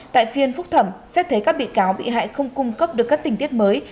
tại phiên phúc thẩm xét thế các bị cáo bị hại không cung cấp được các tình tiết mới